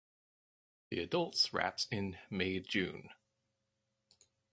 The adults wraps in May–June